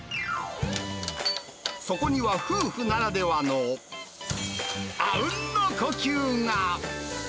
そこには夫婦ならではのあうんの呼吸が。